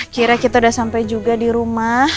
kira kita udah sampai juga di rumah